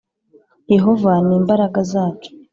Yehova ni imbaraga zacu